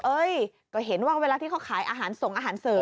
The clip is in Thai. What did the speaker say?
ก็เห็นว่าเวลาที่เขาขายอาหารส่งอาหารเสริม